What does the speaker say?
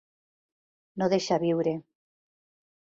No deixar viure.